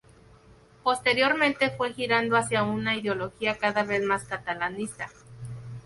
Posteriormente fue girando hacia una ideología cada vez más catalanista.